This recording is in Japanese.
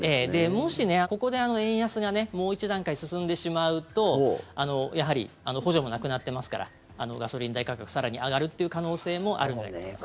もし、ここで円安がもう一段階進んでしまうとやはり補助もなくなってますからガソリン代価格が更に上がるっていう可能性もあるんじゃないかと。